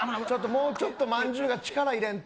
もうちょっとまんじゅうが力入れんと。